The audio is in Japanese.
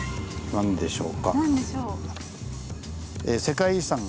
何でしょう。